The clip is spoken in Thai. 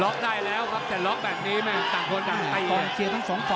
ล็อกได้แล้วครับแต่ล็อกแบบนี้ต่างคนก็ตี